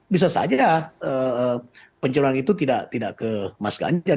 bisa saja penculan itu tidak ke mas ganjar